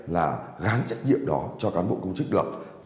là gắn trách nhiệm đó cho cán bộ công chức được